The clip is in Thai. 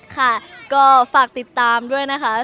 ค่ะก็ฝากติดตามด้วยนะคะ